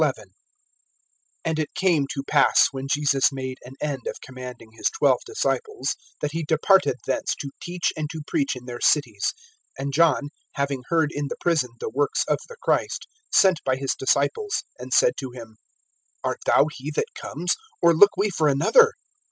AND it came to pass, when Jesus made an end of commanding his twelve disciples, that he departed thence to teach and to preach in their cities. (2)And John, having heard in the prison the works of the Christ, sent by his disciples, (3)and said to him: Art thou he that comes, or look we for another?